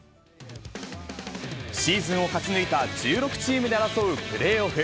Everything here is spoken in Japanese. シーズンを勝ち抜いた１６チームで争うプレーオフ。